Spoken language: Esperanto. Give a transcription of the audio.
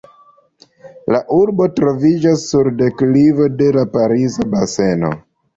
La urbo troviĝas sur deklivo de la Pariza Baseno.